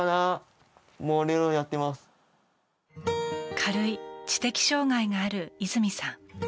軽い知的障害がある泉さん。